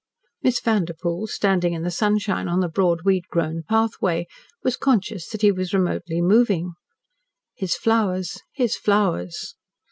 Miss Vanderpoel, standing in the sunshine on the broad weed grown pathway, was conscious that he was remotely moving. His flowers his flowers.